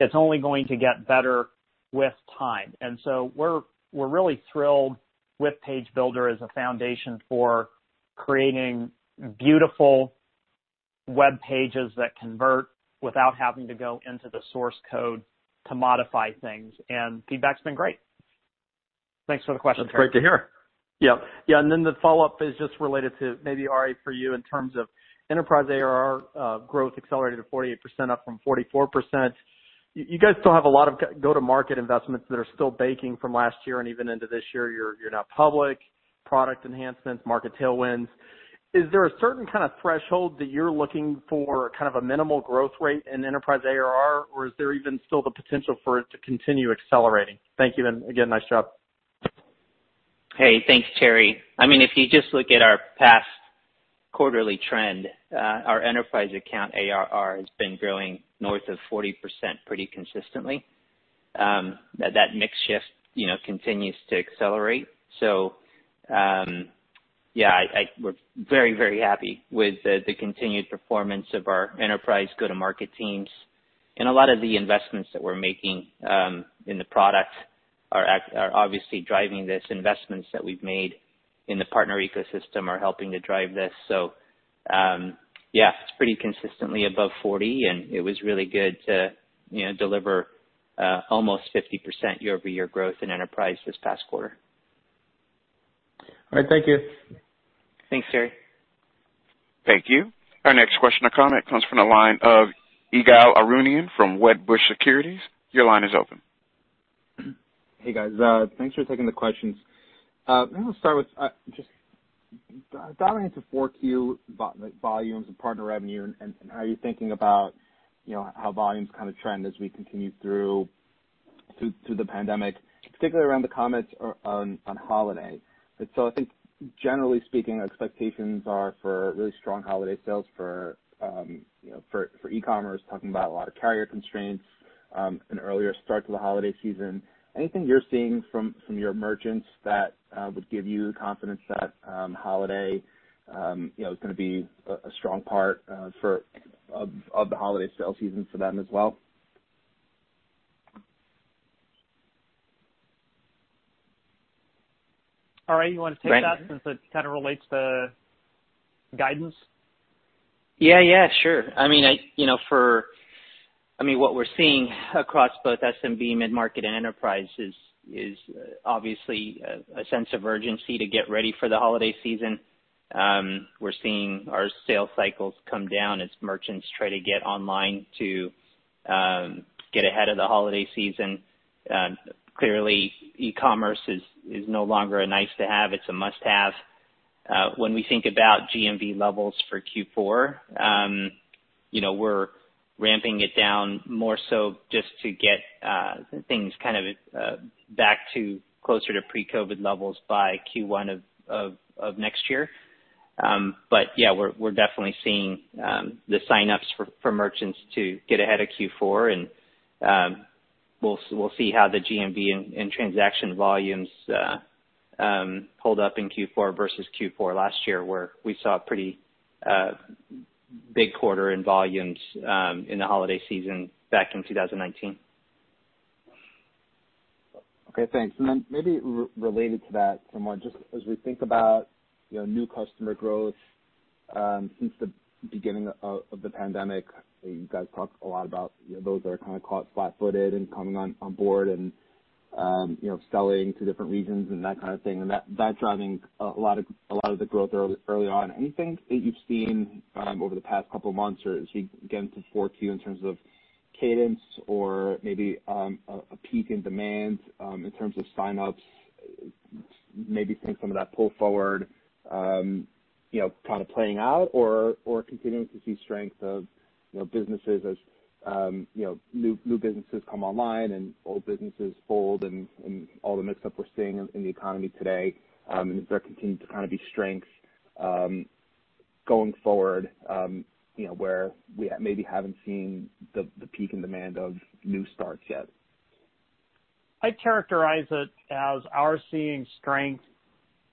it is only going to get better with time. We are really thrilled with Page Builder as a foundation for creating beautiful Web pages that convert without having to go into the source code to modify things, and feedback has been great. Thanks for the question, Terry. That's great to hear. Yep. Yeah, the follow-up is just related to maybe, RA, for you in terms of enterprise ARR growth accelerated to 48% up from 44%. You guys still have a lot of go-to-market investments that are still baking from last year and even into this year. You're now public, product enhancements, market tailwinds. Is there a certain kind of threshold that you're looking for, kind of a minimal growth rate in enterprise ARR, or is there even still the potential for it to continue accelerating? Thank you, and again, nice job. Hey, thanks, Terry. If you just look at our past quarterly trend, our enterprise account ARR has been growing north of 40% pretty consistently. That mix shift continues to accelerate. Yeah, we're very happy with the continued performance of our enterprise go-to-market teams. A lot of the investments that we're making in the product are obviously driving this. Investments that we've made in the partner ecosystem are helping to drive this. Yeah, it's pretty consistently above 40, and it was really good to deliver almost 50% year-over-year growth in enterprise this past quarter. All right, thank you. Thanks, Terry. Thank you. Our next question or comment comes from the line of Ygal Arounian from Wedbush Securities. Your line is open. Hey, guys. Thanks for taking the questions. Maybe we'll start with just diving into 4Q, like, volumes and partner revenue and how you're thinking about how volumes kind of trend as we continue through to the pandemic, particularly around the comments on holiday. I think generally speaking, expectations are for really strong holiday sales for e-commerce, talking about a lot of carrier constraints, an earlier start to the holiday season. Anything you're seeing from your merchants that would give you confidence that holiday is going to be a strong part of the holiday sale season for them as well? RA, you want to take that since it kind of relates to guidance? Yeah, sure. What we're seeing across both SMB, mid-market, and enterprise is obviously a sense of urgency to get ready for the holiday season. We're seeing our sales cycles come down as merchants try to get online to get ahead of the holiday season. Clearly, e-commerce is no longer a nice-to-have, it's a must-have. When we think about GMV levels for Q4, we're ramping it down more so just to get things kind of back to closer to pre-COVID levels by Q1 of next year. Yeah, we're definitely seeing the sign-ups for merchants to get ahead of Q4, and we'll see how the GMV and transaction volumes hold up in Q4 versus Q4 last year, where we saw a pretty big quarter in volumes in the holiday season back in 2019. Okay, thanks. Maybe related to that somewhat, just as we think about new customer growth since the beginning of the pandemic, you guys talked a lot about those that are kind of caught flat-footed and coming on board and selling to different regions and that kind of thing, and that driving a lot of the growth early on. Anything that you've seen over the past couple of months as we get into 4Q in terms of cadence or maybe a peak in demand in terms of sign-ups, maybe seeing some of that pull forward kind of playing out or continuing to see strength of businesses as new businesses come online and old businesses fold and all the mix-up we're seeing in the economy today, and is there continuing to kind of be strength going forward where we maybe haven't seen the peak in demand of new starts yet? I'd characterize it as our seeing strength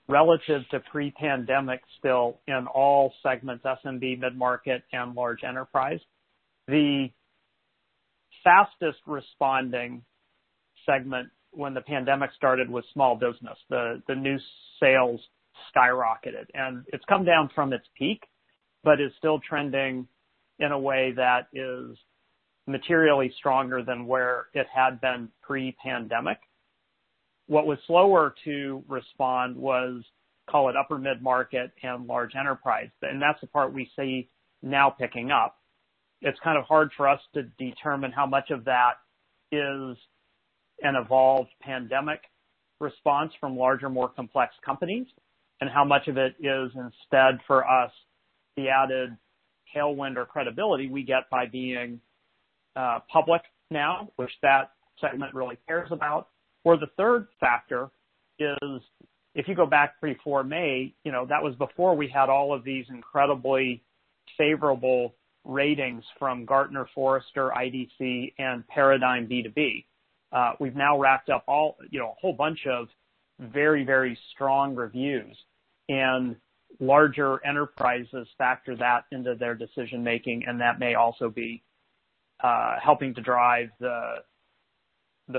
relative to pre-pandemic still in all segments, SMB, mid-market, and large enterprise. The fastest responding segment when the pandemic started was small business. The new sales skyrocketed. It's come down from its peak but is still trending in a way that is materially stronger than where it had been pre-pandemic. What was slower to respond was, call it upper mid-market and large enterprise, that's the part we see now picking up. It's kind of hard for us to determine how much of that is an evolved pandemic response from larger, more complex companies, how much of it is instead for us the added tailwind or credibility we get by being public now, which that segment really cares about. The third factor is if you go back before May, that was before we had all of these incredibly favorable ratings from Gartner, Forrester, IDC, and Paradigm B2B. We've now racked up a whole bunch of very strong reviews, and larger enterprises factor that into their decision making, and that may also be helping to drive the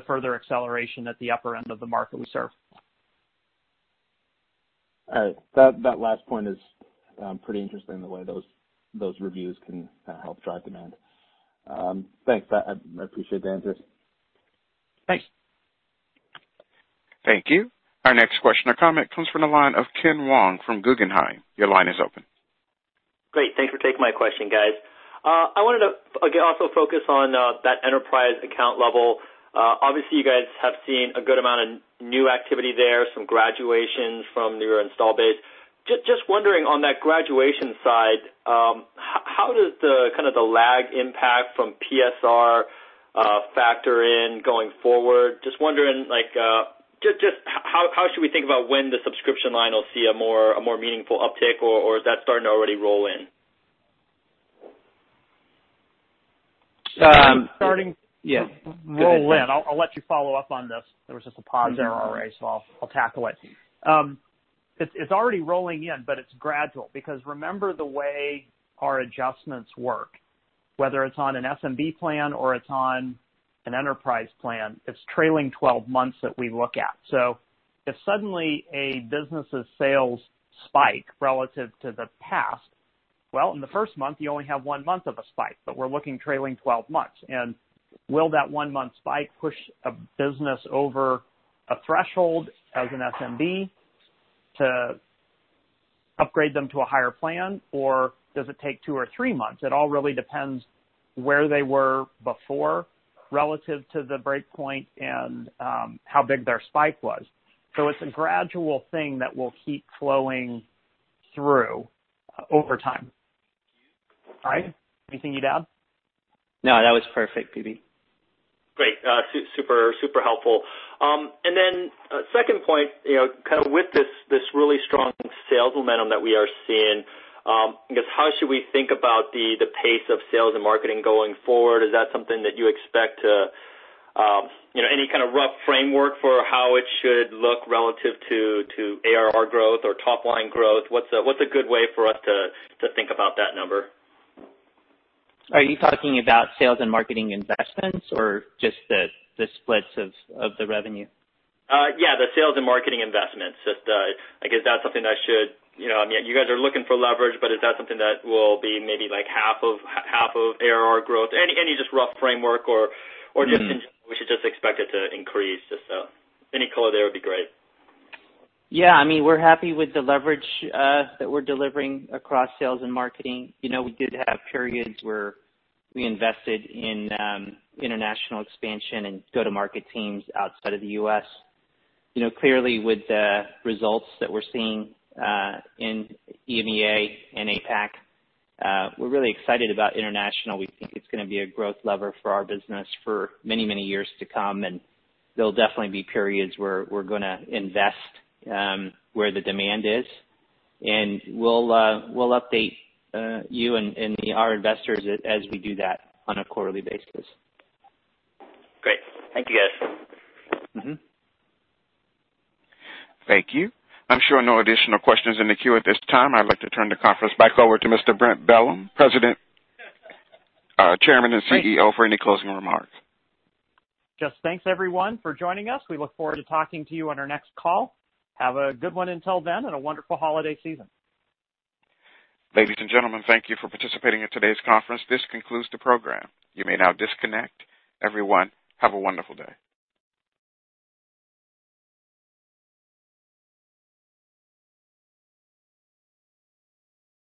further acceleration at the upper end of the market we serve. All right. That last point is pretty interesting, the way those reviews can help drive demand. Thanks. I appreciate the answers. Thanks. Thank you. Our next question or comment comes from the line of Ken Wong from Guggenheim. Your line is open. Great. Thanks for taking my question, guys. I wanted to, again, also focus on that enterprise account level. Obviously, you guys have seen a good amount of new activity there, some graduations from your install base. Just wondering on that graduation side, how does the lag impact from PSR factor in going forward? Just wondering, how should we think about when the subscription line will see a more meaningful uptick, or is that starting to already roll in? Starting to roll in. I'll let you follow up on this. There was just a pause there already, so I'll tackle it. It's already rolling in, but it's gradual because remember the way our adjustments work, whether it's on an SMB plan or it's on an enterprise plan, it's trailing 12 months that we look at. If suddenly a business' sales spike relative to the past, well, in the first month, you only have one month of a spike, but we're looking trailing 12 months. Will that one-month spike push a business over a threshold as an SMB to upgrade them to a higher plan, or does it take two or three months? It all really depends where they were before relative to the breakpoint and how big their spike was. It's a gradual thing that will keep flowing through over time. RA, anything you'd add? No, that was perfect, BB. Great. Super helpful. Second point, with this really strong sales momentum that we are seeing, I guess how should we think about the pace of sales and marketing going forward? Is that something that you expect to? Any kind of rough framework for how it should look relative to ARR growth or top-line growth? What's a good way for us to think about that number? Are you talking about sales and marketing investments or just the splits of the revenue? Yeah, the sales and marketing investments. I guess that's something that you guys are looking for leverage, is that something that will be maybe half of ARR growth? Any just rough framework or just in general, we should just expect it to increase? Just any color there would be great? We're happy with the leverage that we're delivering across sales and marketing. We did have periods where we invested in international expansion and go-to-market teams outside of the U.S. Clearly, with the results that we're seeing in EMEA and APAC, we're really excited about international. We think it's going to be a growth lever for our business for many, many years to come, and there'll definitely be periods where we're going to invest where the demand is. We'll update you and our investors as we do that on a quarterly basis. Great. Thank you, guys. Thank you. I'm showing no additional questions in the queue at this time. I'd like to turn the conference back over to Mr. Brent Bellm, President, Chairman, and CEO, for any closing remarks. Thanks everyone for joining us. We look forward to talking to you on our next call. Have a good one until then and a wonderful holiday season. Ladies and gentlemen, thank you for participating in today's conference. This concludes the program. You may now disconnect. Everyone, have a wonderful day.